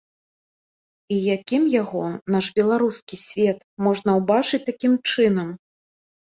І якім яго, наш беларускі свет, можна ўбачыць такім чынам?